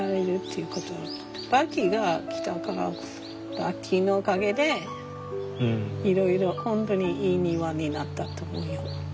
バッキーが来たからバッキーのおかげでいろいろ本当にいい庭になったと思うよ。